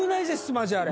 マジあれ。